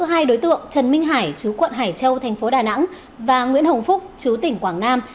hai đối tượng trần minh hải chú quận hải châu thành phố đà nẵng và nguyễn hồng phúc chú tỉnh quảng nam